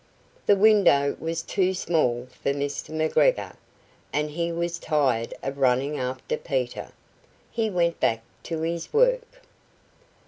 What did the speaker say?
The window was too small for Mr. McGregor, and he was tired of running after Peter. He went back to his work.